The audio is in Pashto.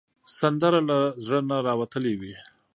سندره له زړه نه راوتلې وي